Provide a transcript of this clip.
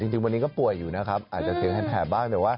ไม่หักเลยครับพี่กระดาษกรอบรูปใดทั้งสิ้น